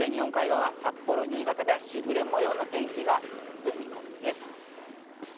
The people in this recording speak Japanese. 日本海側、札幌、新潟では時雨模様の天気が続く見込みです。